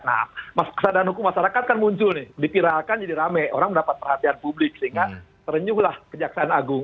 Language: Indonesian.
nah masalah kesadaran hukum masyarakat kan muncul nih dipiralkan jadi rame orang mendapat perhatian publik sehingga terenyuhlah kejaksaan agung